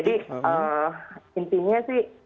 jadi intinya sih